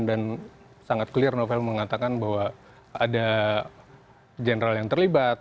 dan sangat clear novel mengatakan bahwa ada general yang terlibat